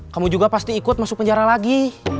kamu juga pasti ikut masuk penjara lagi